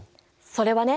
それはね